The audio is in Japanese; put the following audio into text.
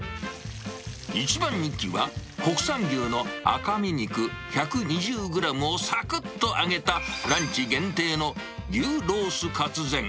一番人気は、国産牛の赤身肉１２０グラムをさくっと揚げた、ランチ限定の牛ロースカツ膳。